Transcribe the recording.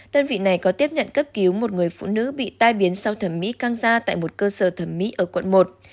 đơn vị này có tiếp nhận cấp cứu một người phụ nữ bị tai biến sau thẩm mỹ căng ra tại một cơ sở thẩm mỹ ở quận một